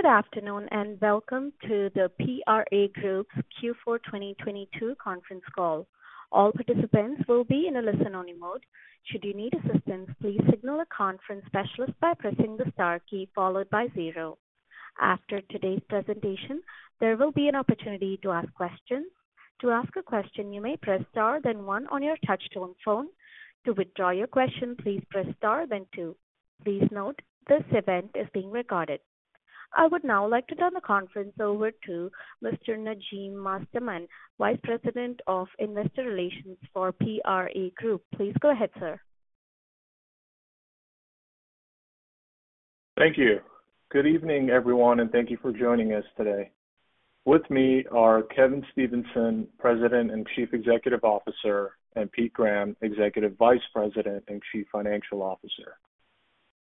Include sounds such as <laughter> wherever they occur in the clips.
Good afternoon, welcome to the PRA Group's Q4 2022 conference call. All participants will be in a listen-only mode. Should you need assistance, please signal a conference specialist by pressing the star key followed by zero. After today's presentation, there will be an opportunity to ask questions. To ask a question, you may press Star then one on your touchtone phone. To withdraw your question, please press Star then two. Please note this event is being recorded. I would now like to turn the conference over to Mr. Najim Mostamand, Vice President of Investor Relations for PRA Group. Please go ahead, sir. Thank you. Good evening, everyone, and thank you for joining us today. With me are Kevin Stevenson, President and Chief Executive Officer, and Pete Graham, Executive Vice President and Chief Financial Officer.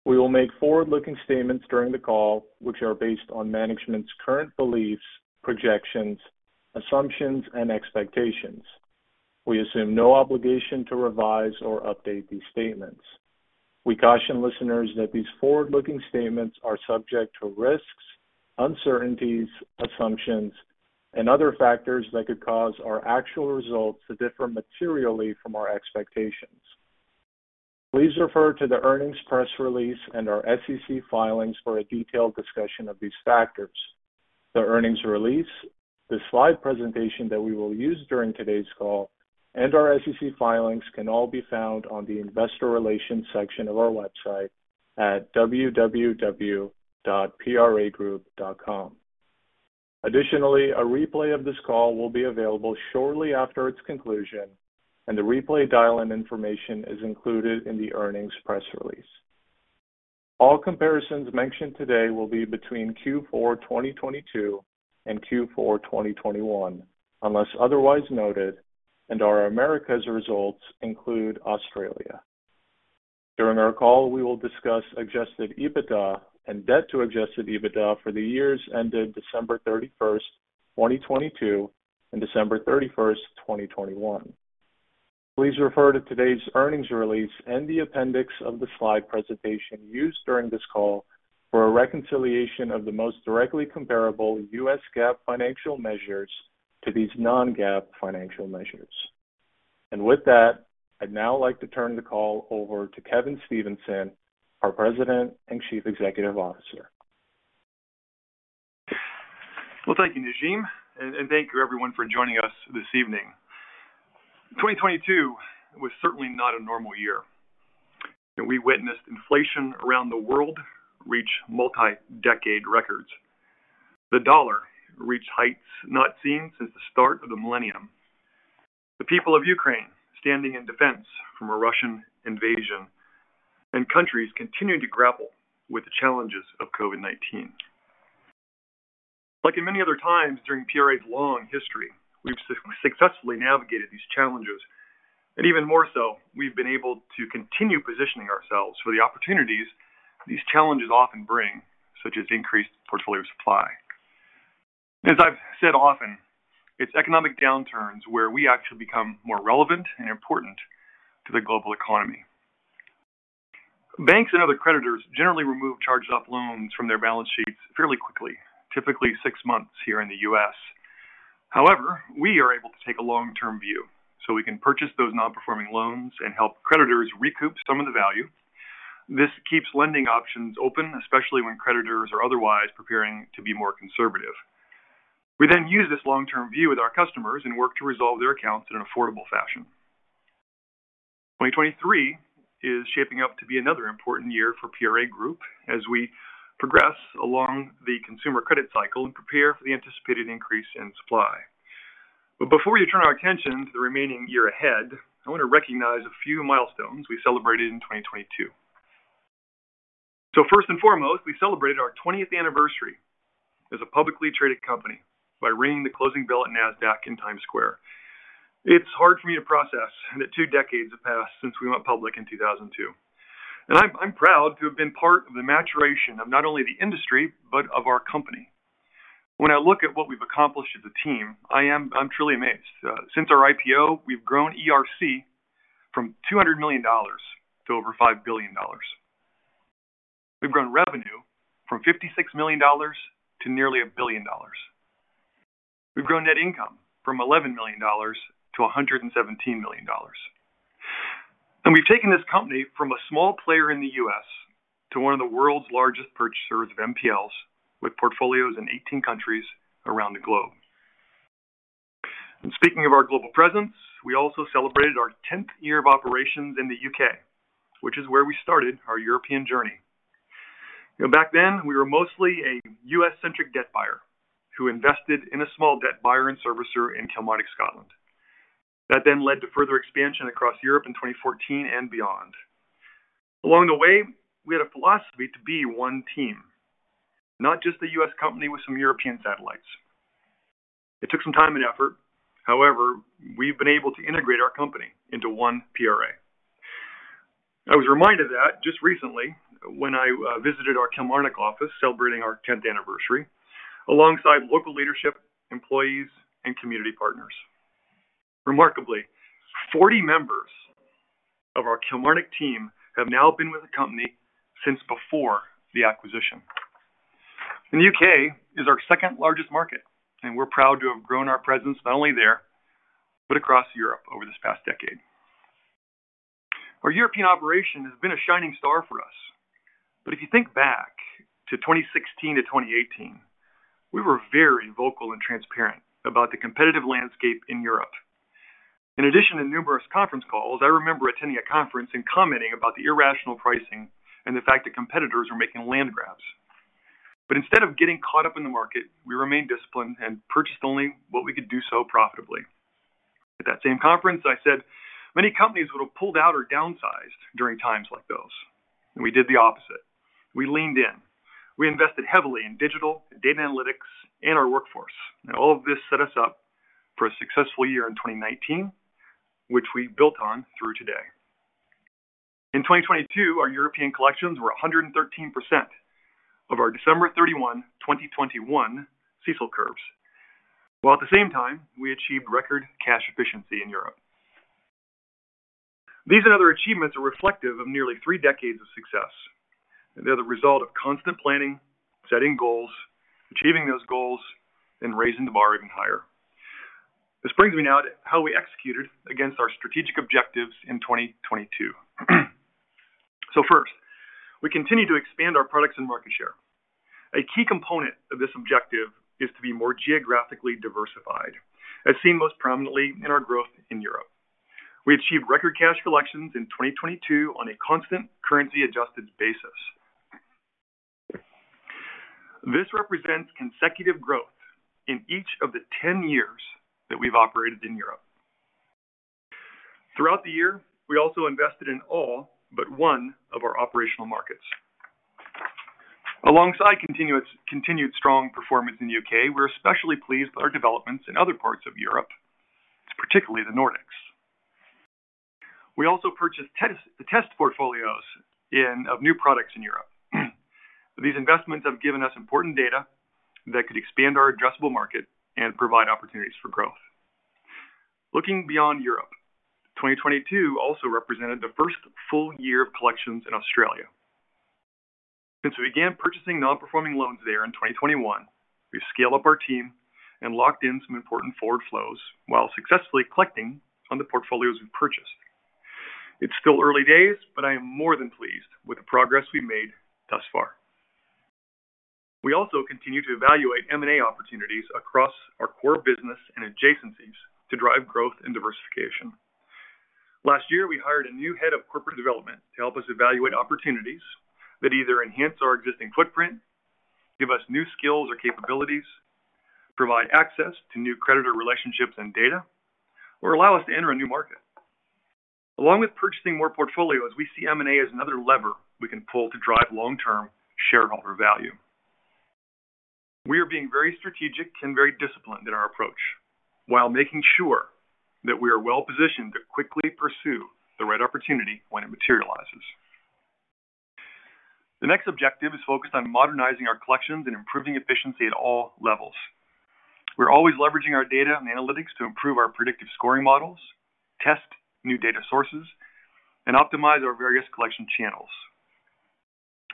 We will make forward-looking statements during the call, which are based on management's current beliefs, projections, assumptions, and expectations. We assume no obligation to revise or update these statements. We caution listeners that these forward-looking statements are subject to risks, uncertainties, assumptions, and other factors that could cause our actual results to differ materially from our expectations. Please refer to the earnings press release and our SEC filings for a detailed discussion of these factors. The earnings release, the slide presentation that we will use during today's call, and our SEC filings can all be found on the investor relations section of our website at www.pragroup.com. Additionally, a replay of this call will be available shortly after its conclusion, and the replay dial-in information is included in the earnings press release. All comparisons mentioned today will be between Q4 2022 and Q4 2021, unless otherwise noted, and our Americas results include Australia. During our call, we will discuss adjusted EBITDA and debt to adjusted EBITDA for the years ended December 31st, 2022 and December 31st, 2021. Please refer to today's earnings release and the appendix of the slide presentation used during this call for a reconciliation of the most directly comparable U.S. GAAP financial measures to these non-GAAP financial measures. With that, I'd now like to turn the call over to Kevin Stevenson, our President and Chief Executive Officer. Thank you, Najim. Thank you everyone for joining us this evening. 2022 was certainly not a normal year. We witnessed inflation around the world reach multi-decade records. The dollar reached heights not seen since the start of the millennium. The people of Ukraine standing in defense from a Russian invasion, countries continuing to grapple with the challenges of COVID-19. Like in many other times during PRA's long history, we've successfully navigated these challenges, even more so, we've been able to continue positioning ourselves for the opportunities these challenges often bring, such as increased portfolio supply. As I've said often, it's economic downturns where we actually become more relevant and important to the global economy. Banks and other creditors generally remove charged off loans from their balance sheets fairly quickly, typically six months here in the U.S.. However, we are able to take a long-term view, so we can purchase those non-performing loans and help creditors recoup some of the value. This keeps lending options open, especially when creditors are otherwise preparing to be more conservative. We then use this long-term view with our customers and work to resolve their accounts in an affordable fashion. 2023 is shaping up to be another important year for PRA Group as we progress along the consumer credit cycle and prepare for the anticipated increase in supply. Before we turn our attention to the remaining year ahead, I want to recognize a few milestones we celebrated in 2022. First and foremost, we celebrated our 20th anniversary as a publicly traded company by ringing the closing bell at Nasdaq in Times Square. It's hard for me to process that two decades have passed since we went public in 2002. I'm proud to have been part of the maturation of not only the industry, but of our company. When I look at what we've accomplished as a team, I'm truly amazed. Since our IPO, we've grown ERC from $200 million to over $5 billion. We've grown revenue from $56 million to nearly $1 billion. We've grown net income from $11 million to $117 million. We've taken this company from a small player in the U.S. to one of the world's largest purchasers of NPLs with portfolios in 18 countries around the globe. Speaking of our global presence, we also celebrated our 10th year of operations in the U.K., which is where we started our European journey. You know, back then, we were mostly a U.S.-centric debt buyer who invested in a small debt buyer and servicer in Kilmarnock, Scotland. That then led to further expansion across Europe in 2014 and beyond. Along the way, we had a philosophy to be one team, not just a U.S. company with some European satellites. It took some time and effort. However, we've been able to integrate our company into one PRA. I was reminded of that just recently when I visited our Kilmarnock office celebrating our 10th anniversary alongside local leadership, employees, and community partners. Remarkably, 40 members of our Kilmarnock team have now been with the company since before the acquisition. The U.K. is our second-largest market, and we're proud to have grown our presence not only there, but across Europe over this past decade. Our European operation has been a shining star for us. If you think back to 2016 to 2018, we were very vocal and transparent about the competitive landscape in Europe. In addition to numerous conference calls, I remember attending a conference and commenting about the irrational pricing and the fact that competitors were making land grabs. Instead of getting caught up in the market, we remained disciplined and purchased only what we could do so profitably. At that same conference, I said, "Many companies would have pulled out or downsized during times like those." We did the opposite. We leaned in. We invested heavily in digital, data analytics, and our workforce. All of this set us up for a successful year in 2019, which we built on through today. In 2022, our European collections were 113% of our December 31, 2021 CECL curves, while at the same time, we achieved record cash efficiency in Europe. These and other achievements are reflective of nearly three decades of success. They're the result of constant planning, setting goals, achieving those goals, and raising the bar even higher. This brings me now to how we executed against our strategic objectives in 2022. First, we continue to expand our products and market share. A key component of this objective is to be more geographically diversified, as seen most prominently in our growth in Europe. We achieved record cash collections in 2022 on a constant currency-adjusted basis. This represents consecutive growth in each of the 10 years that we've operated in Europe. Throughout the year, we also invested in all but one of our operational markets. Alongside continued strong performance in the U.K., we're especially pleased with our developments in other parts of Europe, particularly the Nordics. We also purchased test portfolios of new products in Europe. These investments have given us important data that could expand our addressable market and provide opportunities for growth. Looking beyond Europe, 2022 also represented the first full year of collections in Australia. Since we began purchasing non-performing loans there in 2021, we've scaled up our team and locked in some important forward flows while successfully collecting on the portfolios we purchased. It's still early days, I am more than pleased with the progress we've made thus far. We also continue to evaluate M&A opportunities across our core business and adjacencies to drive growth and diversification. Last year, we hired a new head of corporate development to help us evaluate opportunities that either enhance our existing footprint, give us new skills or capabilities, provide access to new creditor relationships and data, or allow us to enter a new market. Along with purchasing more portfolios, we see M&A as another lever we can pull to drive long-term shareholder value. We are being very strategic and very disciplined in our approach while making sure that we are well-positioned to quickly pursue the right opportunity when it materializes. The next objective is focused on modernizing our collections and improving efficiency at all levels. We're always leveraging our data and analytics to improve our predictive scoring models, test new data sources, and optimize our various collection channels.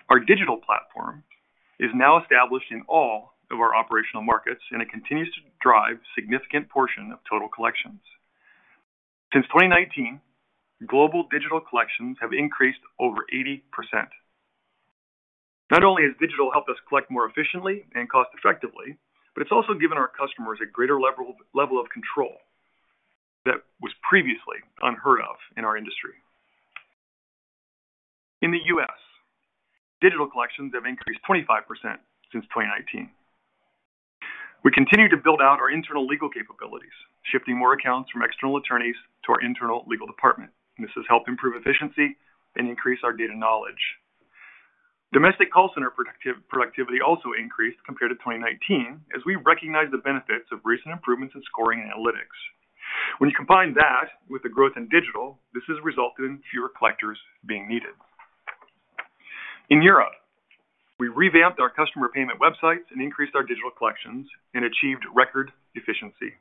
Our digital platform is now established in all of our operational markets, it continues to drive significant portion of total collections. Since 2019, global digital collections have increased over 80%. Not only has digital helped us collect more efficiently and cost-effectively, it's also given our customers a greater level of control that was previously unheard of in our industry. In the U.S., digital collections have increased 25% since 2019. We continue to build out our internal legal capabilities, shifting more accounts from external attorneys to our internal legal department. This has helped improve efficiency and increase our data knowledge. Domestic call center productivity also increased compared to 2019 as we recognize the benefits of recent improvements in scoring and analytics. When you combine that with the growth in digital, this has resulted in fewer collectors being needed. In Europe, we revamped our customer payment websites and increased our digital collections and achieved record efficiency.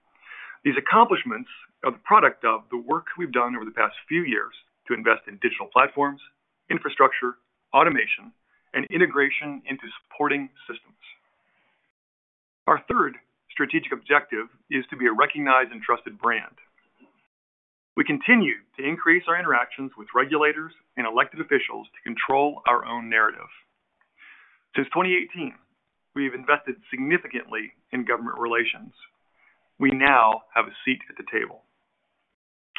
These accomplishments are the product of the work we've done over the past few years to invest in digital platforms, infrastructure, automation, and integration into supporting systems. Our third strategic objective is to be a recognized and trusted brand. We continue to increase our interactions with regulators and elected officials to control our own narrative. Since 2018, we've invested significantly in government relations. We now have a seat at the table.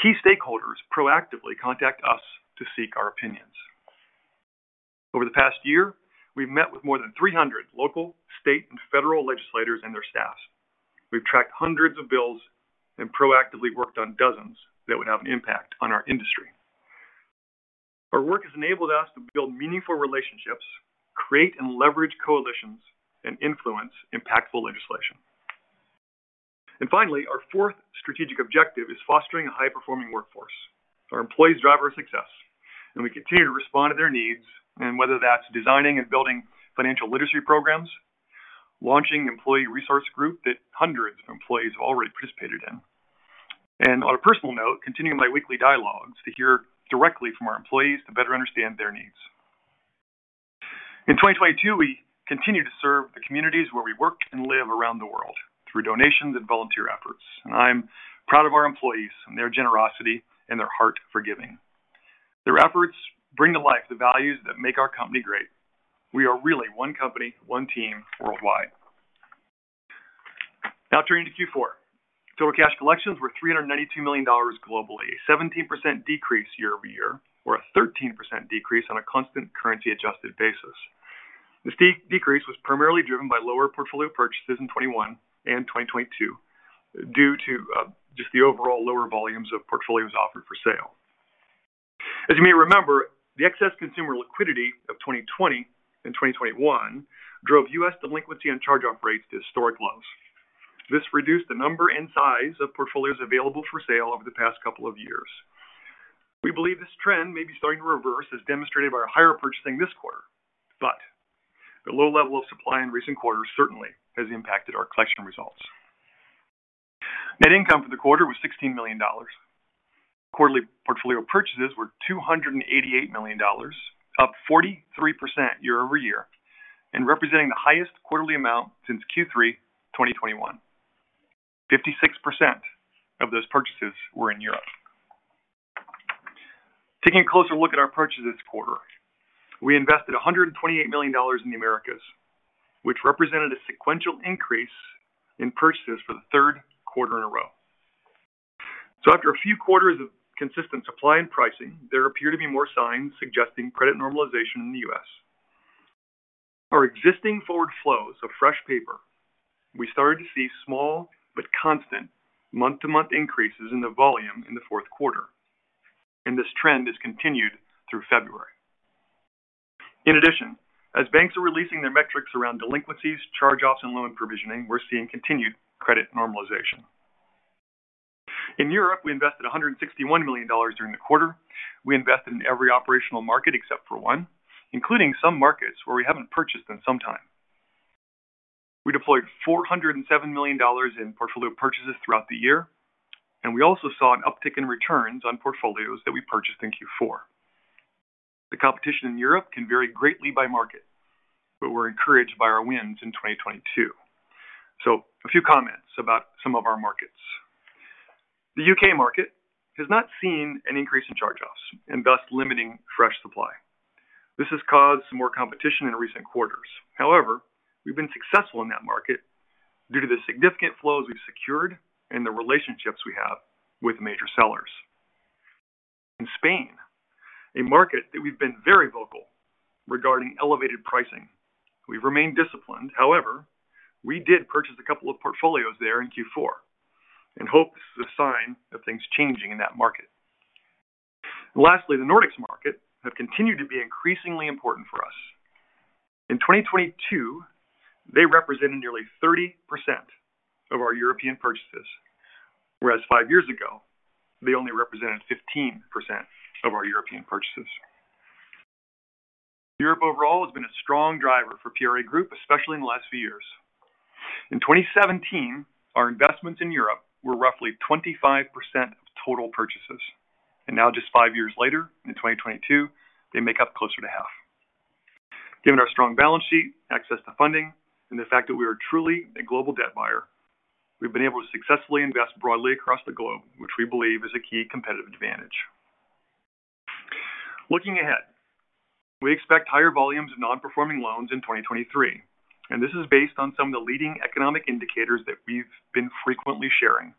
Key stakeholders proactively contact us to seek our opinions. Over the past year, we've met with more than 300 local, state, and federal legislators and their staffs. We've tracked hundreds of bills and proactively worked on dozens that would have an impact on our industry. Our work has enabled us to build meaningful relationships, create and leverage coalitions, and influence impactful legislation. Finally, our fourth strategic objective is fostering a high-performing workforce. Our employees drive our success, we continue to respond to their needs, whether that's designing and building financial literacy programs, launching employee resource group that hundreds of employees have already participated in. On a personal note, continuing my weekly dialogues to hear directly from our employees to better understand their needs. In 2022, we continued to serve the communities where we work and live around the world through donations and volunteer efforts. I'm proud of our employees and their generosity and their heart for giving. Their efforts bring to life the values that make our company great. We are really one company, one team worldwide. Now turning to Q4. Total cash collections were $392 million globally, 17% decrease year-over-year or a 13% decrease on a constant currency adjusted basis. This decrease was primarily driven by lower portfolio purchases in 2021 and 2022 due to just the overall lower volumes of portfolios offered for sale. As you may remember, the excess consumer liquidity of 2020 and 2021 drove U.S. delinquency and charge off rates to historic lows. This reduced the number and size of portfolios available for sale over the past couple of years. We believe this trend may be starting to reverse as demonstrated by our higher purchasing this quarter, but the low level of supply in recent quarters certainly has impacted our collection results. Net income for the quarter was $16 million. Quarterly portfolio purchases were $288 million, up 43% year-over-year and representing the highest quarterly amount since Q3 2021. 56% of those purchases were in Europe. Taking a closer look at our purchases quarter, we invested $128 million in the Americas, which represented a sequential increase in purchases for the third quarter in a row. After a few quarters of consistent supply and pricing, there appear to be more signs suggesting credit normalization in the U.S. Our existing forward flows of fresh paper, we started to see small but constant month-to-month increases in the volume in the Q4, and this trend has continued through February. In addition, as banks are releasing their metrics around delinquencies, charge-offs, and loan provisioning, we're seeing continued credit normalization. In Europe, we invested $161 million during the quarter. We invested in every operational market except for one, including some markets where we haven't purchased in some time. We deployed $407 million in portfolio purchases throughout the year, and we also saw an uptick in returns on portfolios that we purchased in Q4. The competition in Europe can vary greatly by market, but we're encouraged by our wins in 2022. A few comments about some of our markets. The U.K. market has not seen an increase in charge-offs and thus limiting fresh supply. This has caused some more competition in recent quarters. However, we've been successful in that market due to the significant flows we've secured and the relationships we have with major sellers. In Spain, a market that we've been very vocal regarding elevated pricing, we've remained disciplined. However, we did purchase a couple of portfolios there in Q4 in hopes this is a sign of things changing in that market. Lastly, the Nordics market have continued to be increasingly important for us. In 2022, they represented nearly 30% of our European purchases, whereas five years ago, they only represented 15% of our European purchases. Europe overall has been a strong driver for PRA Group, especially in the last few years. In 2017, our investments in Europe were roughly 25% of total purchases. Now just five years later, in 2022, they make up closer to half. Given our strong balance sheet, access to funding, and the fact that we are truly a global debt buyer, we've been able to successfully invest broadly across the globe, which we believe is a key competitive advantage. Looking ahead, we expect higher volumes of non-performing loans in 2023. This is based on some of the leading economic indicators that we've been frequently sharing.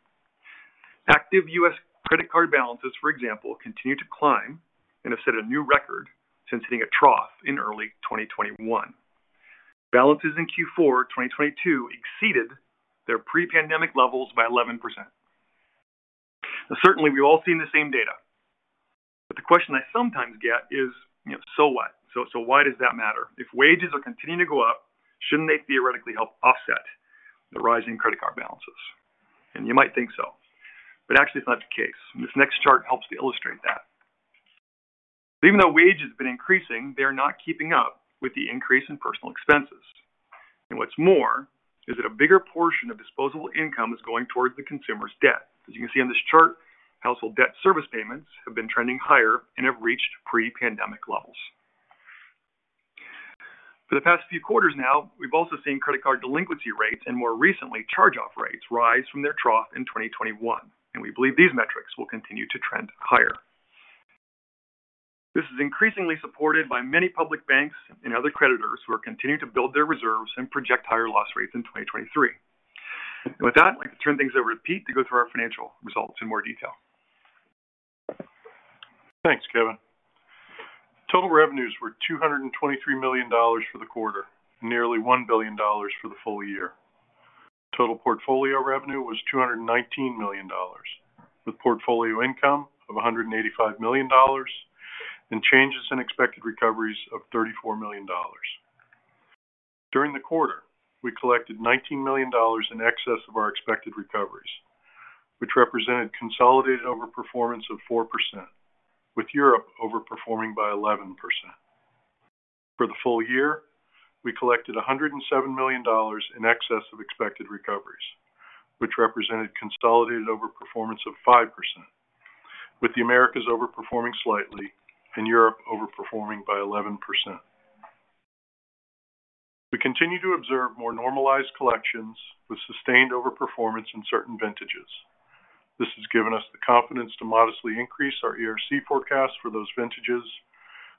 Active U.S. credit card balances, for example, continue to climb and have set a new record since hitting a trough in early 2021. Balances in Q4 2022 exceeded their pre-pandemic levels by 11%. Certainly, we've all seen the same data. The question I sometimes get is, you know, so what? Why does that matter? If wages are continuing to go up, shouldn't they theoretically help offset the rise in credit card balances? You might think so, actually it's not the case. This next chart helps to illustrate that. Even though wages have been increasing, they're not keeping up with the increase in personal expenses. What's more is that a bigger portion of disposable income is going towards the consumer's debt. As you can see on this chart, household debt service payments have been trending higher and have reached pre-pandemic levels. For the past few quarters now, we've also seen credit card delinquency rates and more recently charge-off rates rise from their trough in 2021, and we believe these metrics will continue to trend higher. This is increasingly supported by many public banks and other creditors who are continuing to build their reserves and project higher loss rates in 2023. With that, I'd like to turn things over to Pete to go through our financial results in more detail. Thanks, Kevin. Total revenues were $223 million for the quarter, nearly $1 billion for the full year. Total portfolio revenue was $219 million, with portfolio income of $185 million and Changes in expected recoveries of $34 million. During the quarter, we collected $19 million in excess of our expected recoveries, which represented consolidated overperformance of 4%, with Europe overperforming by 11%. For the full year, we collected $107 million in excess of expected recoveries, which represented consolidated overperformance of 5%, with the Americas overperforming slightly and Europe overperforming by 11%. We continue to observe more normalized collections with sustained overperformance in certain vintages. This has given us the confidence to modestly increase our ERC forecast for those vintages,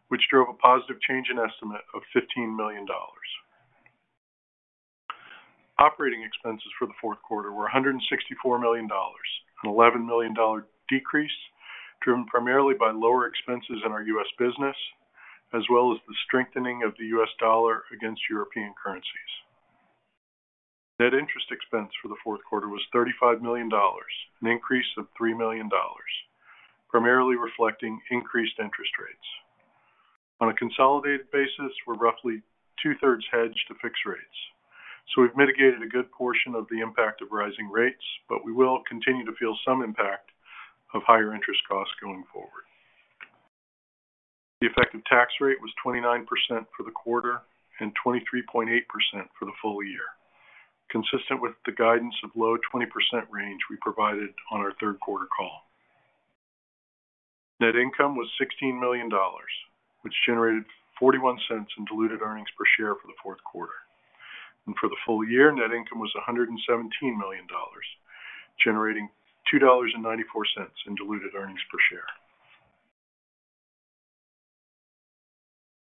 which drove a positive change in estimate of $15 million.. Operating expenses for the fourth quarter were $164 million, an $11 million decrease, driven primarily by lower expenses in our U.S. business, as well as the strengthening of the U.S. dollar against European currencies. Net interest expense for the fourth quarter was $35 million, an increase of $3 million, primarily reflecting increased interest rates. We're roughly two-thirds hedged to fixed rates. We've mitigated a good portion of the impact of rising rates, but we will continue to feel some impact of higher interest costs going forward. The effective tax rate was 29% for the quarter and 23.8% for the full year, consistent with the guidance of low 20% range we provided on our third quarter call. Net income was $16 million, which generated $0.41 in diluted earnings per share for the Q4. For the full year, net income was $117 million, generating $2.94 in diluted earnings per share.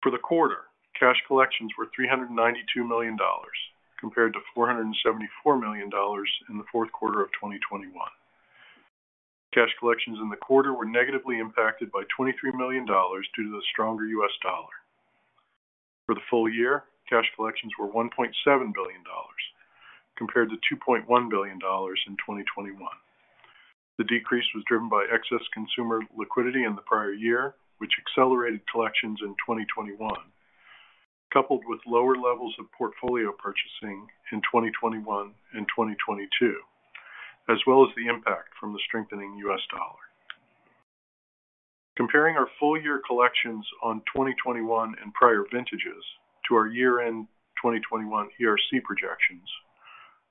For the quarter, cash collections were $392 million compared to $474 million in the Q4 of 2021. Cash collections in the quarter were negatively impacted by $23 million due to the stronger US dollar. For the full year, cash collections were $1.7 billion compared to $2.1 billion in 2021. The decrease was driven by excess consumer liquidity in the prior year, which accelerated collections in 2021, coupled with lower levels of portfolio purchasing in 2021 and 2022, as well as the impact from the strengthening US dollar. Comparing our full-year collections on 2021 and prior vintages to our year-end 2021 ERC projections,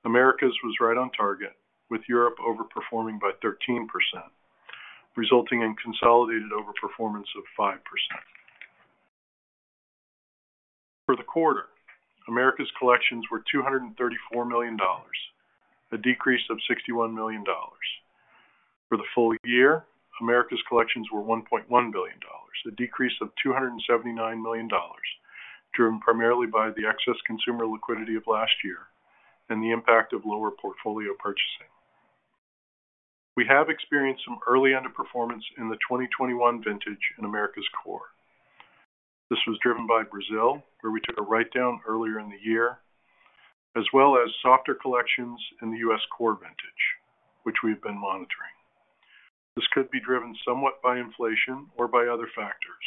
Americas was right on target, with Europe overperforming by 13%, resulting in consolidated overperformance of 5%. For the quarter, Americas collections were $234 million, a decrease of $61 million. For the full year, Americas collections were $1.1 billion, a decrease of $279 million, driven primarily by the excess consumer liquidity of last year and the impact of lower portfolio purchasing. We have experienced some early underperformance in the 2021 vintage in Americas Core. This was driven by Brazil, where we took a write-down earlier in the year, as well as softer collections in the U.S. Core vintage, which we've been monitoring. This could be driven somewhat by inflation or by other factors,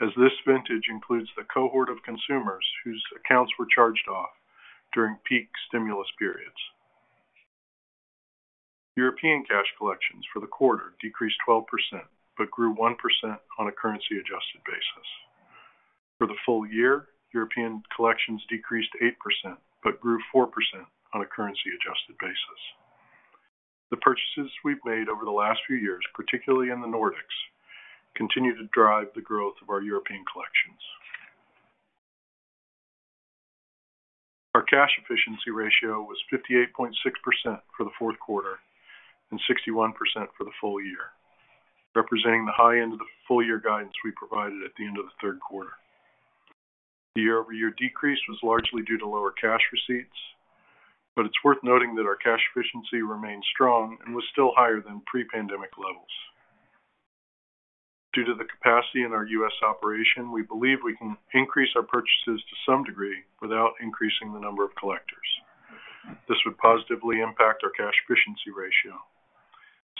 as this vintage includes the cohort of consumers whose accounts were charged off during peak stimulus periods. European cash collections for the quarter decreased 12%, but grew 1% on a currency-adjusted basis. For the full year, European collections decreased 8%, but grew 4% on a currency-adjusted basis. The purchases we've made over the last few years, particularly in the Nordics, continue to drive the growth of our European collections. Our cash efficiency ratio was 58.6% for the Q4 and 61% for the full year, representing the high end of the full-year guidance we provided at the end of the Q3. The year-over-year decrease was largely due to lower cash receipts, but it's worth noting that our cash efficiency remained strong and was still higher than pre-pandemic levels. Due to the capacity in our U.S. operation, we believe we can increase our purchases to some degree without increasing the number of collectors. This would positively impact our cash efficiency ratio.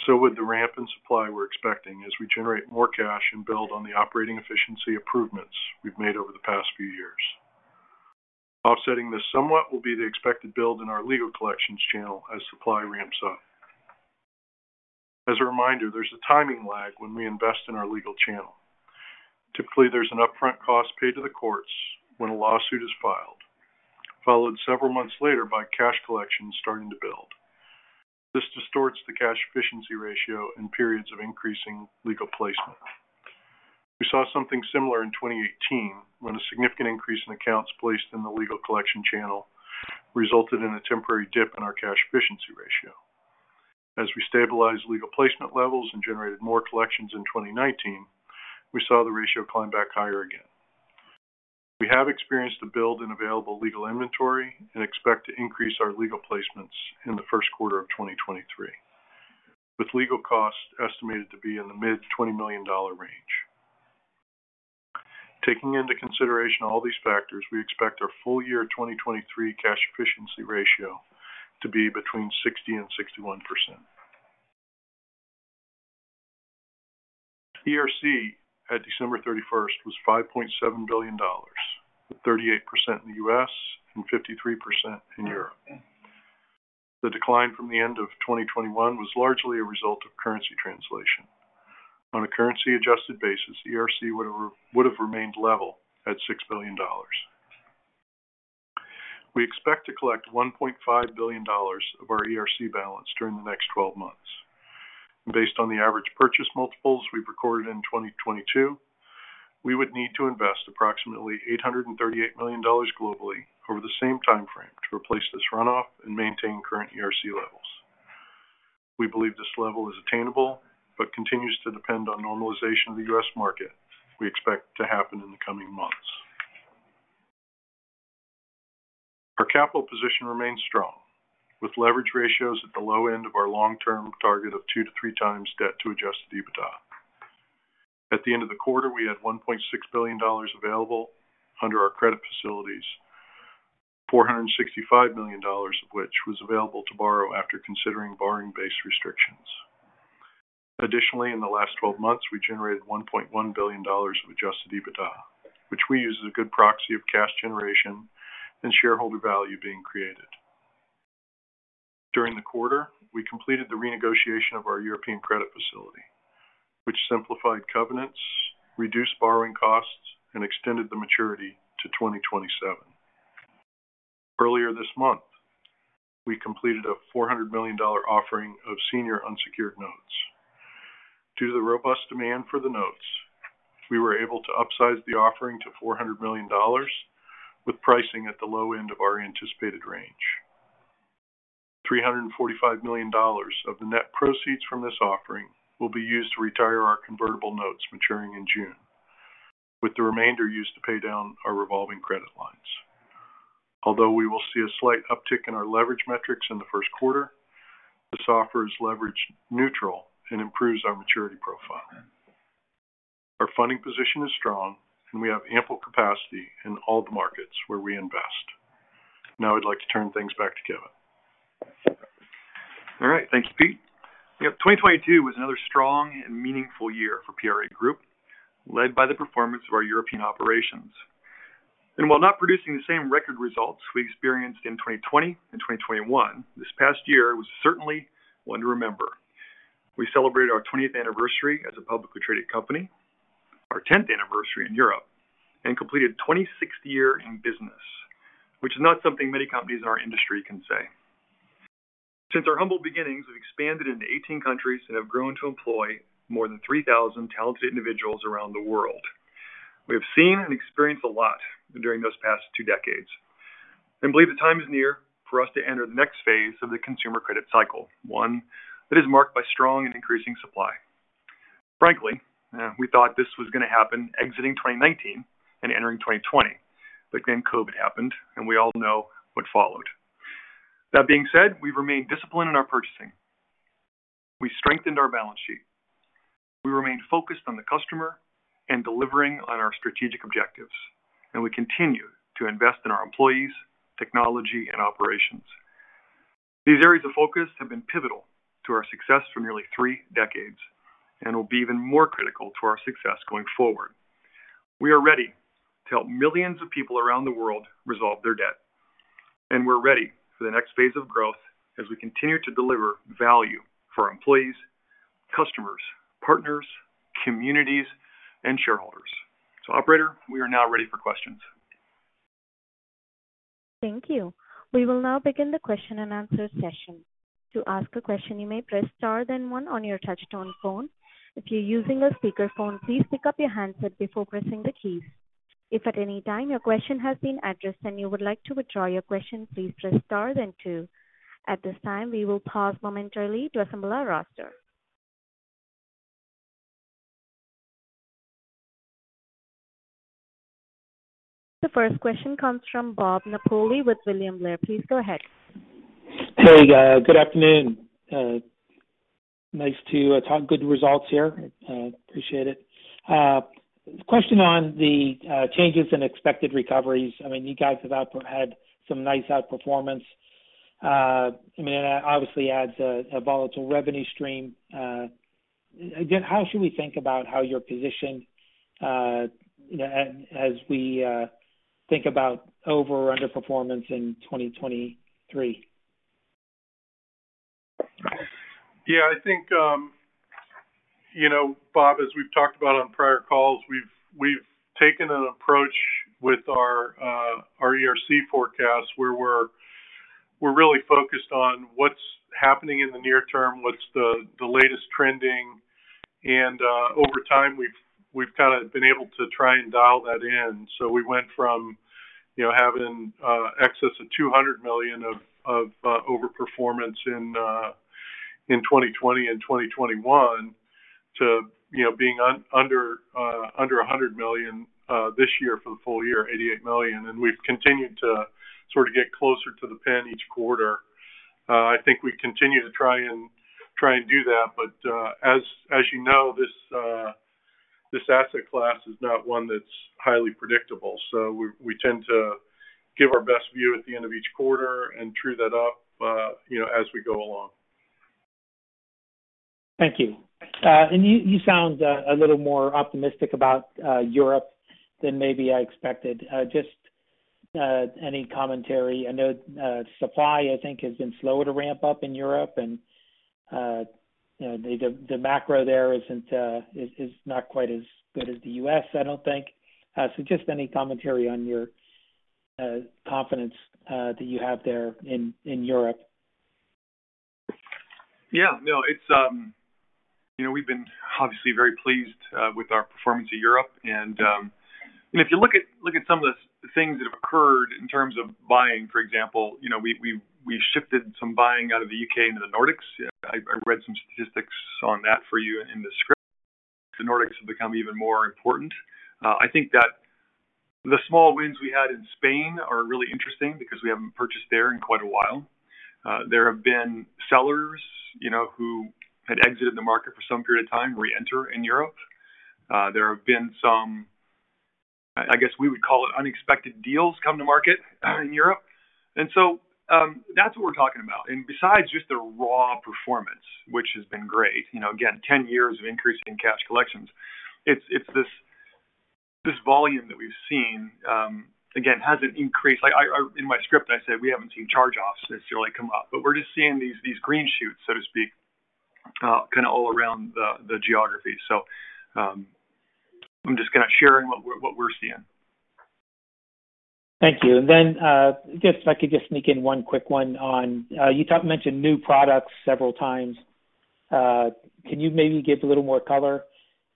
Would the ramp in supply we're expecting as we generate more cash and build on the operating efficiency improvements we've made over the past few years. Offsetting this somewhat will be the expected build in our legal collections channel as supply ramps up. As a reminder, there's a timing lag when we invest in our legal channel. Typically, there's an upfront cost paid to the courts when a lawsuit is filed, followed several months later by cash collections starting to build. This distorts the cash efficiency ratio in periods of increasing legal placement. We saw something similar in 2018 when a significant increase in accounts placed in the legal collection channel resulted in a temporary dip in our cash efficiency ratio. As we stabilized legal placement levels and generated more collections in 2019, we saw the ratio climb back higher again. We have experienced a build in available legal inventory and expect to increase our legal placements in the Q1 of 2023, with legal costs estimated to be in the mid $20 million range. Taking into consideration all these factors, we expect our full-year 2023 cash efficiency ratio to be between 60% and 61%. ERC at December 31st was $5.7 billion, with 38% in the U.S. and 53% in Europe. The decline from the end of 2021 was largely a result of currency translation. On a currency-adjusted basis, ERC would have remained level at $6 billion. We expect to collect $1.5 billion of our ERC balance during the next 12 months. Based on the average purchase multiples we've recorded in 2022, we would need to invest approximately $838 million globally over the same time frame to replace this runoff and maintain current ERC levels. We believe this level is attainable but continues to depend on normalization of the U.S. market we expect to happen in the coming months. Our capital position remains strong, with leverage ratios at the low end of our long-term target of 2-3x debt to adjusted EBITDA. At the end of the quarter, we had $1.6 billion available under our credit facilities, $465 million of which was available to borrow after considering borrowing-based restrictions. In the last 12 months, we generated $1.1 billion of adjusted EBITDA, which we use as a good proxy of cash generation and shareholder value being created. During the quarter, we completed the renegotiation of our European credit facility, which simplified covenants, reduced borrowing costs, and extended the maturity to 2027. Earlier this month, we completed a $400 million offering of senior unsecured notes. Due to the robust demand for the notes, we were able to upsize the offering to $400 million, with pricing at the low end of our anticipated range. $345 million of the net proceeds from this offering will be used to retire our convertible notes maturing in June, with the remainder used to pay down our revolving credit lines. Although we will see a slight uptick in our leverage metrics in the Q1, this offer is leverage neutral and improves our maturity profile. Our funding position is strong, and we have ample capacity in all the markets where we invest. Now I'd like to turn things back to Kevin. All right. Thank you, Pete. 2022 was another strong and meaningful year for PRA Group, led by the performance of our European operations. While not producing the same record results we experienced in 2020 and 2021, this past year was certainly one to remember. We celebrated our 20th anniversary as a publicly traded company, our 10th anniversary in Europe, and completed 26th year in business, which is not something many companies in our industry can say. Since our humble beginnings, we've expanded into 18 countries and have grown to employ more than 3,000 talented individuals around the world. We have seen and experienced a lot during those past two decades and believe the time is near for us to enter the next phase of the consumer credit cycle, one that is marked by strong and increasing supply. Frankly, we thought this was going to happen exiting 2019 and entering 2020, but then COVID happened, and we all know what followed. That being said, we remained disciplined in our purchasing. We strengthened our balance sheet. We remained focused on the customer and delivering on our strategic objectives. We continue to invest in our employees, technology, and operations. These areas of focus have been pivotal to our success for nearly three decades and will be even more critical to our success going forward. We are ready to help millions of people around the world resolve their debt, and we're ready for the next phase of growth as we continue to deliver value for our employees, customers, partners, communities, and shareholders. Operator, we are now ready for questions. Thank you. We will now begin the question and answer session. To ask a question, you may press star then one on your touch-tone phone. If you're using a speakerphone, please pick up your handset before pressing the keys. If at any time your question has been addressed and you would like to withdraw your question, please press star then two. At this time, we will pause momentarily to assemble our roster. The first question comes from Bob Napoli with William Blair. Please go ahead. Hey, good afternoon. Nice to talk good results here. I appreciate it. Question on the changes in expected recoveries. I mean, you guys had some nice outperformance. I mean, obviously adds a volatile revenue stream. Again, how should we think about how you're positioned as we think about over or underperformance in 2023? Yeah, I think, you know, Bob, as we've talked about on prior calls, we've taken an approach with our ERC forecast where we're really focused on what's happening in the near term, what's the latest trending. Over time, we've kind of been able to try and dial that in. We went from, you know, having excess of $200 million of overperformance in 2020 and 2021 to, you know, being under $100 million this year for the full year, $88 million. We've continued to sort of get closer to the pin each quarter. I think we continue to try and do that. As you know, this asset class is not one that's highly predictable. We tend to Give our best view at the end of each quarter and true that up, you know, as we go along. Sound a little more optimistic about Europe than maybe I expected. Just any commentary. I know supply, I think, has been slower to ramp up in Europe, and you know, the macro there is not quite as good as the U.S., I don't think. So just any commentary on your confidence that you have there in Europe You know, we've been obviously very pleased with our performance in Europe. You know, if you look at, look at some of the things that have occurred in terms of buying, for example, you know, we shifted some buying out of the U.K. into the Nordics. I read some statistics on that for you in the script. The Nordics have become even more important. I think that the small wins we had in Spain are really interesting because we haven't purchased there in quite a while. There have been sellers, you know, who had exited the market for some period of time reenter in Europe. There have been some, I guess, we would call it unexpected deals come to market in Europe. That's what we're talking about. Besides just the raw performance, which has been great. You know, again, 10 years of increasing cash collections. It's this volume that we've seen, again, hasn't increased. In my script, I said we haven't seen charge-offs necessarily come up, but we're just seeing these green shoots, so to speak, kind of all around the geography. I'm just kind of sharing what we're seeing. Thank you. Just if I could just sneak in one quick one on. You mentioned new products several times. Can you maybe give a little more color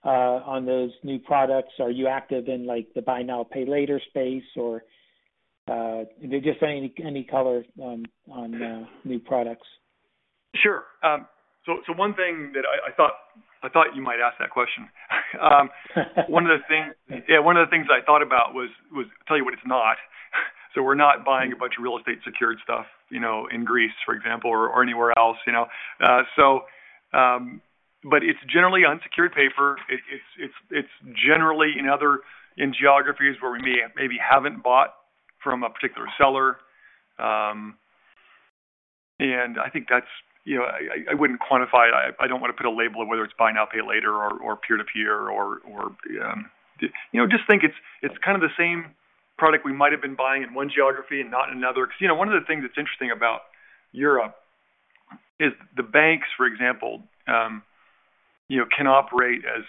on those new products? Are you active in, like, the Buy Now, Pay Later space or just any color on the new products? Sure. So one thing that I thought you might ask that question. Yeah, one of the things I thought about was tell you what it's not. We're not buying a bunch of real estate secured stuff, you know, in Greece, for example, or anywhere else, you know. So it's generally unsecured paper. It's generally in geographies where we maybe haven't bought from a particular seller. I think that's, you know, I wouldn't quantify it. I don't wanna put a label on whether it's Buy Now, Pay Later or Peer-to-Peer or. You know, just think it's kind of the same product we might have been buying in one geography and not in another. 'Cause, you know, one of the things that's interesting about Europe is the banks, for example, you know, can operate as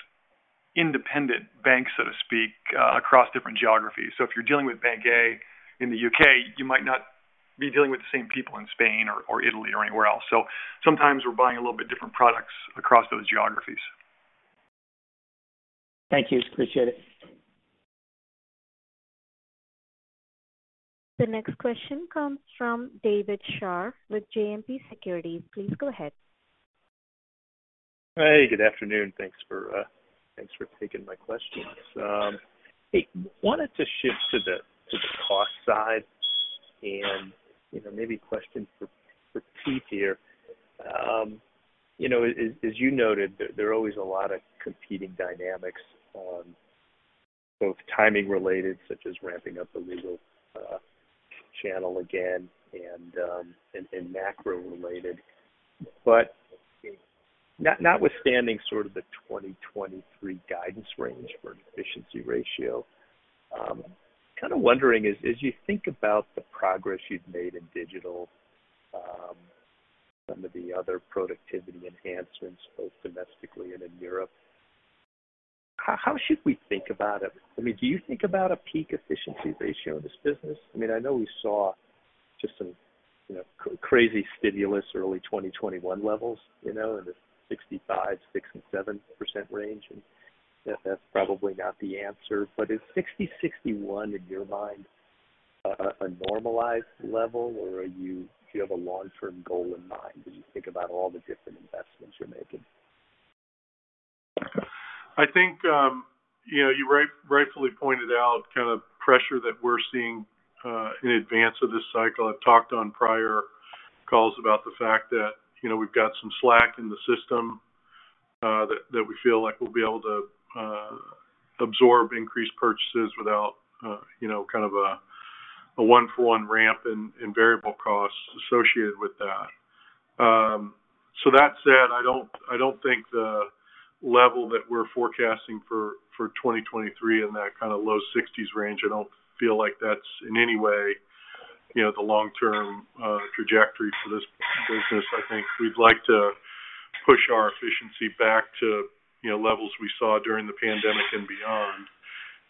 independent banks, so to speak, across different geographies. If you're dealing with bank A in the U.K., you might not be dealing with the same people in Spain or Italy or anywhere else. Sometimes we're buying a little bit different products across those geographies. Thank you. Appreciate it. The next question comes from David Scharf with JMP Securities. Please go ahead. Hey, good afternoon. Thanks for thanks for taking my questions. Hey, wanted to shift to the cost side and, you know, maybe a question for Pete here. You know, as you noted, there are always a lot of competing dynamics on both timing related, such as ramping up the legal channel again and macro related. Notwithstanding sort of the 2023 guidance range for efficiency ratio, kinda wondering as you think about the progress you've made in digital, some of the other productivity enhancements both domestically and in Europe, how should we think about it? I mean, do you think about a peak efficiency ratio in this business? I mean, I know we saw just some, you know, crazy stimulus early 2021 levels, you know, in the 65%, 67% range, and that's probably not the answer. Is 60%, 61% in your mind a normalized level, or do you have a long term goal in mind when you think about all the different investments you're making? I think, you know, you rightfully pointed out kind of pressure that we're seeing in advance of this cycle. I've talked on prior calls about the fact that, you know, we've got some slack in the system that we feel like we'll be able to absorb increased purchases without, you know, kind of a one for one ramp in variable costs associated with that. That said, I don't, I don't think the level that we're forecasting for 2023 in that kind of low 60s range, I don't feel like that's in any way, you know, the long-term trajectory for this business. I think we'd like to push our efficiency back to, you know, levels we saw during the pandemic and beyond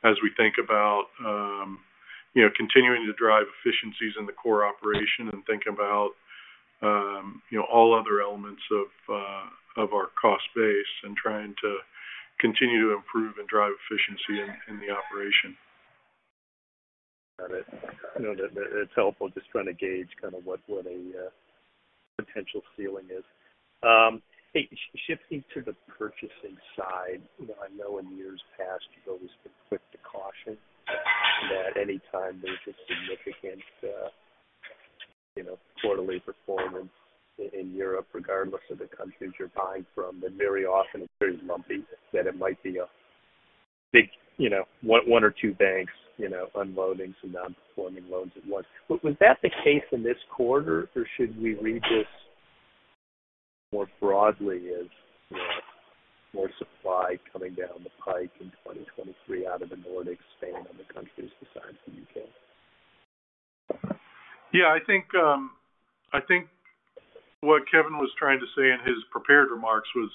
as we think about, you know, continuing to drive efficiencies in the core operation and think about, you know, all other elements of our cost base and trying to continue to improve and drive efficiency in the operation. Got it. I know that it's helpful just trying to gauge kind of what a potential ceiling is. Hey, shifting to the purchasing side. You know, I know in years past you've always been quick to caution that anytime there's a significant, you know, quarterly performance in Europe, regardless of the countries you're buying from. Very often it's very lumpy that it might be a big, you know, one or two banks, you know, unloading some nonperforming loans at once. Was that the case in this quarter, or should we read this more broadly as, you know, more supply coming down the pike in 2023 out of the Nordics expand on the countries besides the U.K.? Yeah, I think, I think what Kevin was trying to say in his prepared remarks was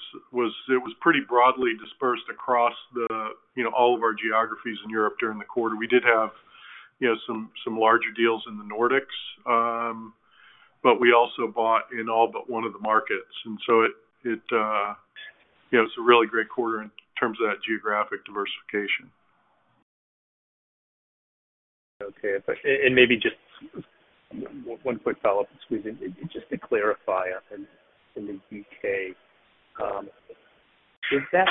it was pretty broadly dispersed across the, you know, all of our geographies in Europe during the quarter. We did have, you know, some larger deals in the Nordics. We also bought in all but one of the markets. It, you know, it's a really great quarter in terms of that geographic diversification. Okay. maybe just one quick follow-up, please. Just to clarify on in the U.K., is that's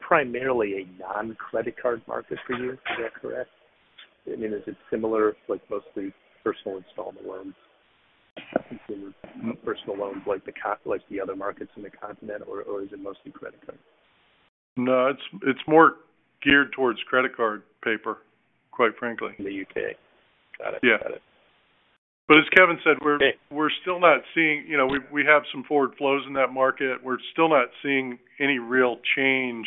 primarily a non-credit card market for you? Is that correct? I mean, is it similar to like mostly personal installment loans, consumer personal loans, like the other markets in the continent, or is it mostly credit cards? No, it's more geared towards credit card paper, quite frankly. The U.K. Got it. Yeah. Got it. As Kevin said, we're still not seeing, you know, we have some forward flows in that market. We're still not seeing any real change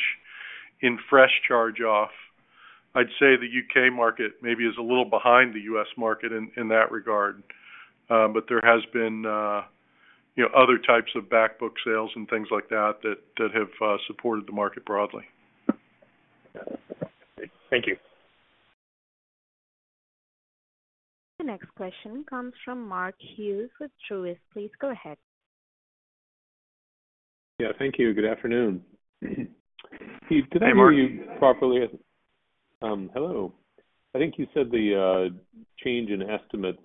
in fresh charge-off. I'd say the U.K. market maybe is a little behind the U.S. market in that regard. There has been, you know, other types of back book sales and things like that have supported the market broadly. Thank you. The next question comes from Mark Hughes with Truist. Please go ahead. Yeah, thank you. Good afternoon. Hey, Mark. Did I hear you properly? Hello. I think you said the change in estimates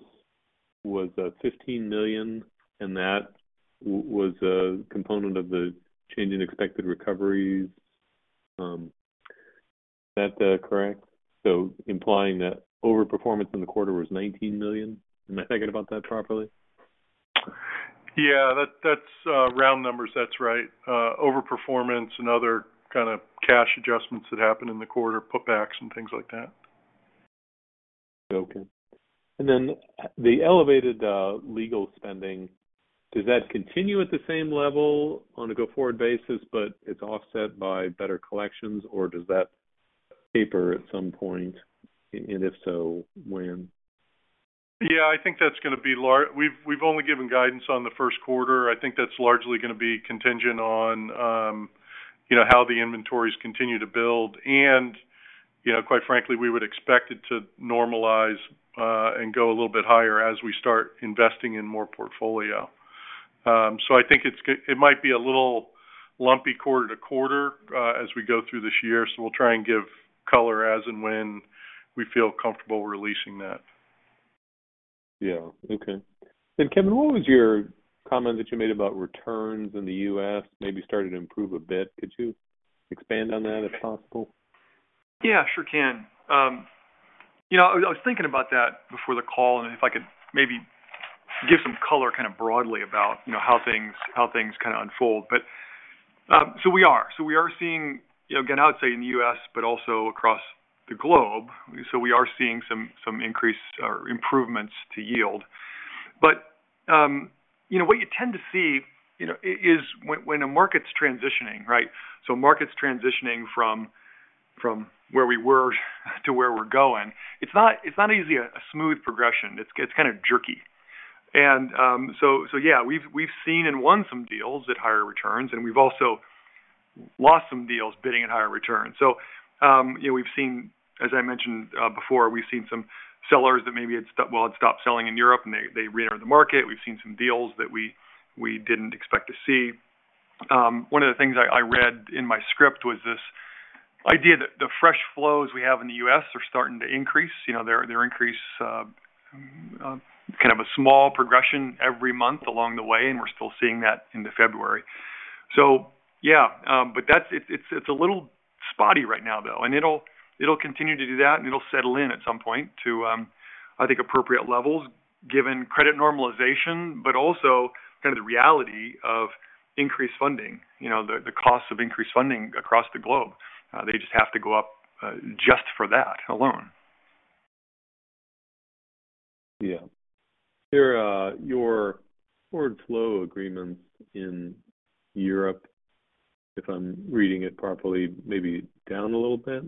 was $15 million, and that was a component of the Changes in expected recoveries. Is that correct? Implying that overperformance in the quarter was $19 million. Am I thinking about that properly? That's round numbers. That's right. Overperformance and other kind of cash adjustments that happened in the quarter, put backs and things like that. Okay. The elevated, legal spending, does that continue at the same level on a go-forward basis, but it's offset by better collections? Does that taper at some point, and if so, when? Yeah, I think that's going to be large. We've only given guidance on the Q1. I think that's largely going to be contingent on, you know, how the inventories continue to build. You know, quite frankly, we would expect it to normalize and go a little bit higher as we start investing in more portfolio. I think it might be a little lumpy quarter to quarter as we go through this year. We'll try and give color as and when we feel comfortable releasing that. Yeah. Okay. Kevin, what was your comment that you made about returns in the U.S. maybe starting to improve a bit? Could you expand on that, if possible? Yeah, sure can. you know, I was thinking about that before the call, and if I could maybe give some color kind of broadly about, you know, how things kind of unfold. We are seeing, you know, again, I would say in the U.S., but also across the globe. We are seeing some increased or improvements to yield. you know, what you tend to see, you know, is when a market's transitioning, right? A market's transitioning from where we were to where we're going. It's not easy, a smooth progression. It's kind of jerky. so yeah, we've seen and won some deals at higher returns, and we've also lost some deals bidding at higher returns. You know, we've seen, as I mentioned before, we've seen some sellers that maybe had stopped selling in Europe, and they re-entered the market. We've seen some deals that we didn't expect to see. One of the things I read in my script was this idea that the fresh flows we have in the U.S. are starting to increase. You know, their increase, kind of a small progression every month along the way, and we're still seeing that into February. Yeah. It's, it's a little spotty right now, though. It'll, it'll continue to do that, and it'll settle in at some point to, I think, appropriate levels given credit normalization, but also kind of the reality of increased funding. You know, the cost of increased funding across the globe. They just have to go up, just for that alone. Yeah. <audio distortion> your forward flow agreements in Europe, if I'm reading it properly, may be down a little bit.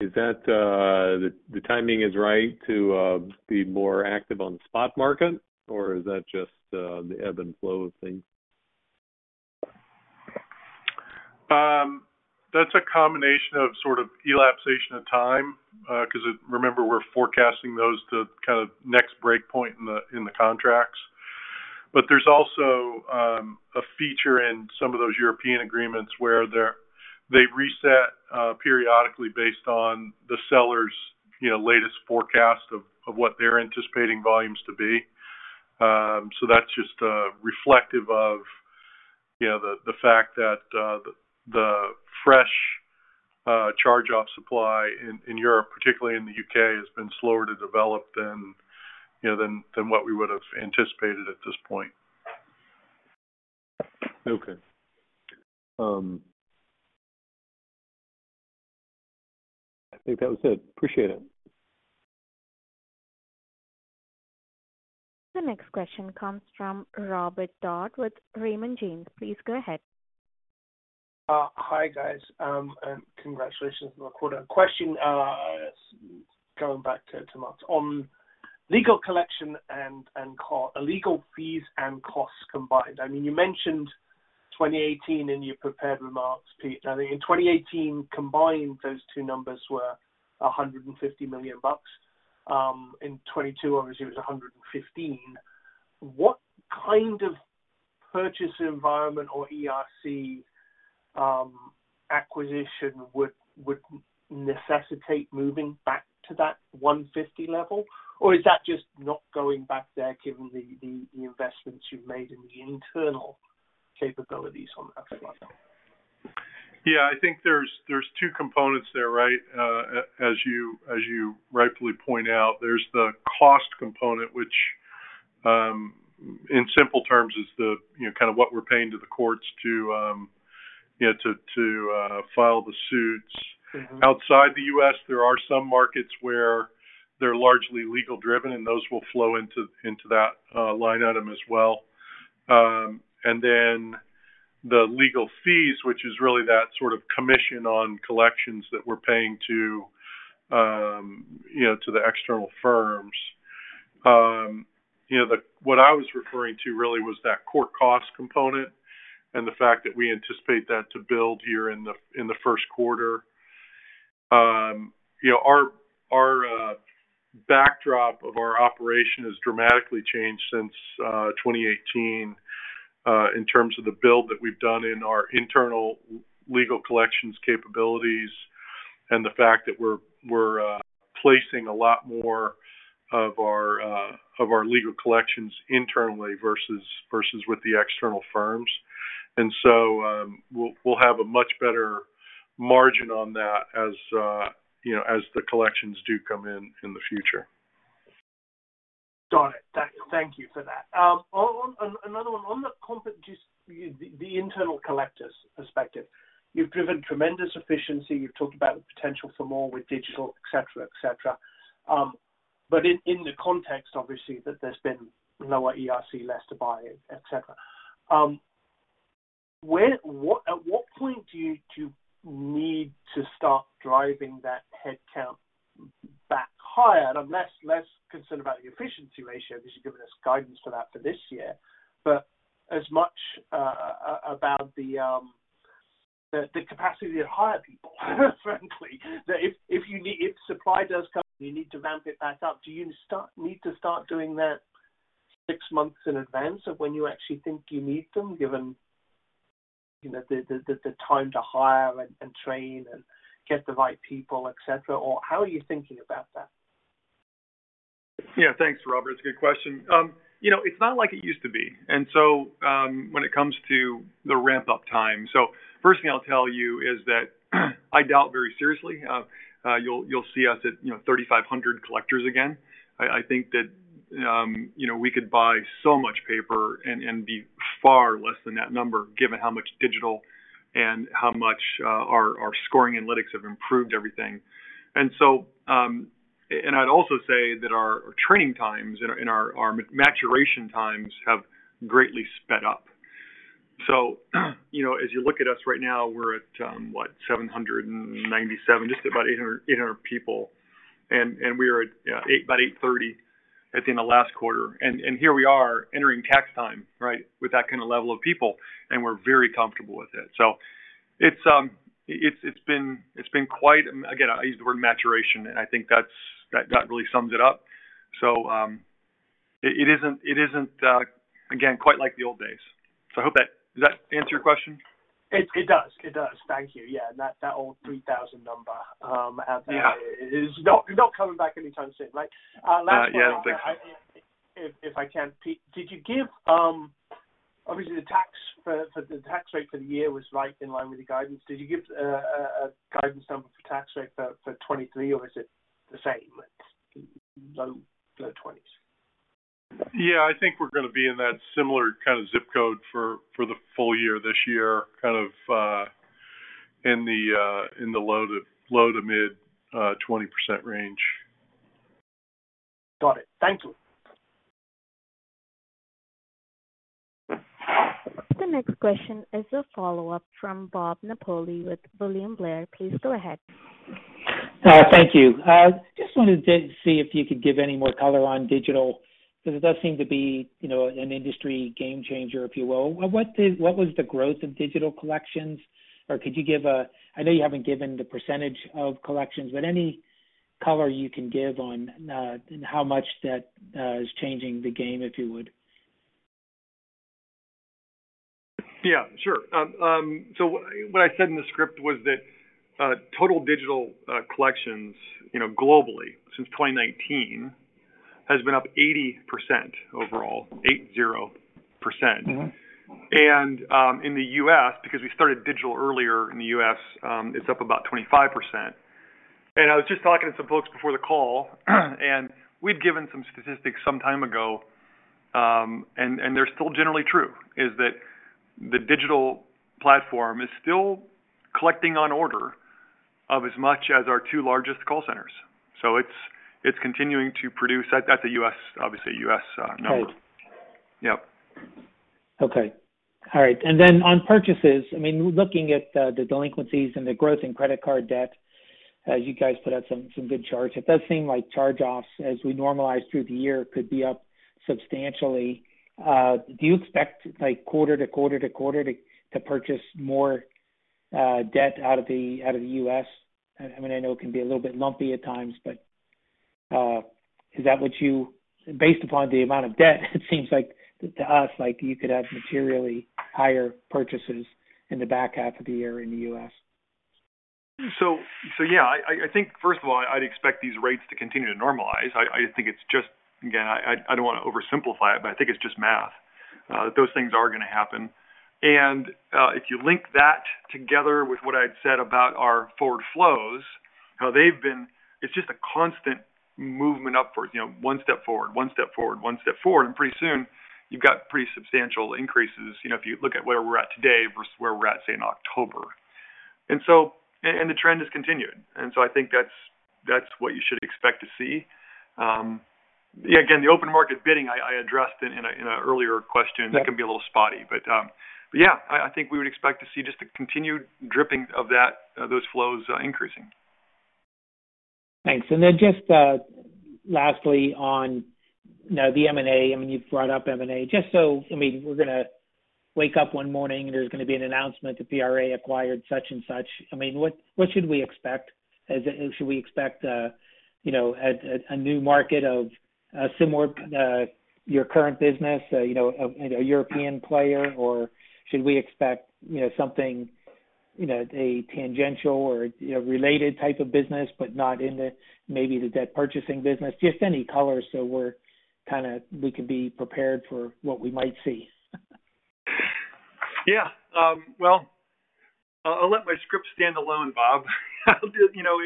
Is that the timing is right to be more active on the spot market, or is that just the ebb and flow of things? That's a combination of sort of elapsation of time, 'cause remember, we're forecasting those to kind of next break point in the contracts. There's also a feature in some of those European agreements where they reset periodically based on the seller's, you know, latest forecast of what they're anticipating volumes to be. That's just reflective of, you know, the fact that. Charge off supply in Europe, particularly in the U.K., has been slower to develop than, you know, than what we would have anticipated at this point. Okay. I think that was it. Appreciate it. The next question comes from Robert Dodd with Raymond James. Please go ahead. Hi, guys. Congratulations on the quarter. Question, going back to Mark. On legal collection and legal fees and costs combined. I mean, you mentioned 2018 in your prepared remarks, Pete. I think in 2018, combined, those two numbers were $150 million. In 2022, obviously it was $115 million. What kind of purchase environment or ERC acquisition would necessitate moving back to that $150 million level? Or is that just not going back there given the investments you've made in the internal capabilities on that front? Yeah. I think there's two components there, right? As you, as you rightfully point out, there's the cost component, which, in simple terms is the, you know, kind of what we're paying to the courts to, you know, to file the suits. Mm-hmm. Outside the U.S., there are some markets where they're largely legal-driven, and those will flow into that line item as well. Then the legal fees, which is really that sort of commission on collections that we're paying to, you know, to the external firms. You know, what I was referring to really was that court cost component and the fact that we anticipate that to build here in the first quarter. You know, our backdrop of our operation has dramatically changed since 2018 in terms of the build that we've done in our internal legal collections capabilities and the fact that we're placing a lot more of our legal collections internally versus with the external firms. We'll have a much better margin on that as, you know, as the collections do come in in the future. Got it. Thank you for that. Another one. On the internal collectors perspective. You've driven tremendous efficiency. You've talked about the potential for more with digital, et cetera, et cetera. In the context, obviously, that there's been lower ERC, less to buy, et cetera. At what point do you two need to start driving that headcount back higher? I'm less concerned about the efficiency ratio because you've given us guidance for that for this year. As much about the capacity to hire people frankly. If supply does come, you need to ramp it back up. Need to start doing that six months in advance of when you actually think you need them, given, you know, the, the time to hire and train and get the right people, et cetera? Or how are you thinking about that? Yeah. Thanks, Robert. It's a good question. You know, it's not like it used to be. When it comes to the ramp-up time. First thing I'll tell you is that I doubt very seriously, you'll see us at, you know, 3,500 collectors again. I think that, you know, we could buy so much paper and be far less than that number, given how much digital and how much our scoring analytics have improved everything. I'd also say that our training times and our maturation times have greatly sped up. You know, as you look at us right now, we're at, what, 797, just about 800 people. We are at about 830 at the end of last quarter. Here we are entering tax time, right? With that kind of level of people, and we're very comfortable with it. It's been quite. Again, I use the word maturation, and I think that really sums it up. It isn't, again, quite like the old days. I hope. Does that answer your question? It does. It does. Thank you. Yeah. That, that old 3,000 number- Yeah. is not coming back anytime soon, right? Yeah. Last one. If I can, Pete. Obviously, the tax rate for the year was right in line with the guidance. Did you give a guidance number for tax rate for 2023, or is it the same, low twenties? Yeah. I think we're gonna be in that similar kind of zip code for the full year this year. Kind of, in the low to mid, 20% range. Got it. Thank you. The next question is a follow-up from Robert Napoli with William Blair. Please go ahead. Thank you. Just wanted to see if you could give any more color on digital, 'cause it does seem to be, you know, an industry game changer, if you will. What was the growth of digital collections? I know you haven't given the percentage of collections, but any color you can give on how much that is changing the game, if you would. Yeah, sure. What I said in the script was that total digital collections, you know, globally since 2019 Has been up 80% overall. 80%. Mm-hmm. In the U.S., because we started digital earlier in the U.S., it's up about 25%. I was just talking to some folks before the call, and we'd given some statistics some time ago, and they're still generally true, is that the digital platform is still collecting on order of as much as our two largest call centers. It's continuing to produce. That's a U.S. Obviously, a U.S. number. Right. Yep. Okay. All right. On purchases, I mean, looking at the delinquencies and the growth in credit card debt, as you guys put out some good charts, it does seem like charge-offs, as we normalize through the year, could be up substantially. Do you expect like quarter to quarter to quarter to purchase more debt out of the U.S.? I mean, I know it can be a little bit lumpy at times, but is that based upon the amount of debt, it seems like to us like you could have materially higher purchases in the back half of the year in the U.S.? Yeah. I think first of all, I'd expect these rates to continue to normalize. I think it's just, again, I don't wanna oversimplify it, but I think it's just math that those things are gonna happen. If you link that together with what I'd said about our forward flows, how they've been, it's just a constant movement upwards. You know, one step forward, one step forward, one step forward, and pretty soon you've got pretty substantial increases. You know, if you look at where we're at today versus where we're at, say, in October. The trend has continued. I think that's what you should expect to see. Yeah, again, the open market bidding I addressed in an earlier question. Yeah. That can be a little spotty. Yeah, I think we would expect to see just a continued dripping of that, of those flows increasing. Thanks. Just, lastly on, you know, the M&A. I mean, you've brought up M&A. I mean, we're gonna wake up one morning and there's gonna be an announcement that PRA acquired such and such. I mean, what should we expect? Should we expect a, you know, a, a new market of similar your current business, you know, a European player, or should we expect, you know, something, you know, a tangential or, you know, related type of business but not in the, maybe the debt purchasing business? Just any color so we could be prepared for what we might see. Well, I'll let my script stand alone, Bob. You know,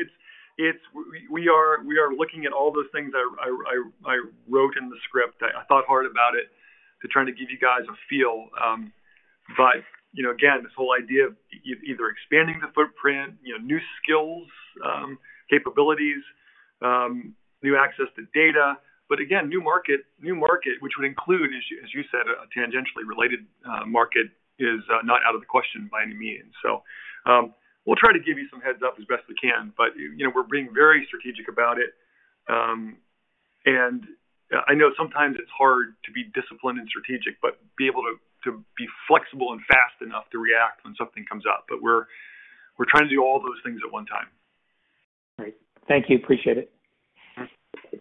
we are looking at all those things I wrote in the script. I thought hard about it to try to give you guys a feel. You know, again, this whole idea of either expanding the footprint, you know, new skills, capabilities, new access to data. Again, new market, new market, which would include, as you said, a tangentially related market is not out of the question by any means. We'll try to give you some heads-up as best we can, but, you know, we're being very strategic about it. I know sometimes it's hard to be disciplined and strategic, but be able to be flexible and fast enough to react when something comes up. We're trying to do all those things at one time. Great. Thank you. Appreciate it. All right.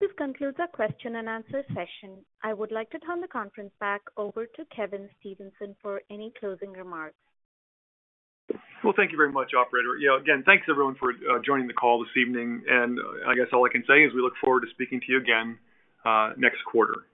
This concludes our question and answer session. I would like to turn the conference back over to Kevin Stevenson for any closing remarks. Well, thank you very much, operator. You know, again, thanks everyone for joining the call this evening. I guess all I can say is we look forward to speaking to you again next quarter.